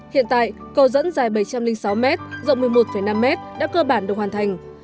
hiện tại cầu dẫn dài bảy trăm linh sáu m rộng một mươi một năm m đã cơ bản được hoàn thành